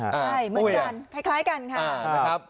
ใช่เหมือนกันคล้ายกันค่ะ